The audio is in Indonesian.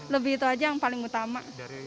lebih itu aja yang paling utama